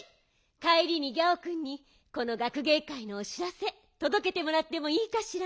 かえりにギャオくんにこのがくげいかいのおしらせとどけてもらってもいいかしら？